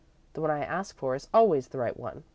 The one I ask for is always the right one.